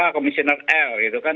komisioner l gitu kan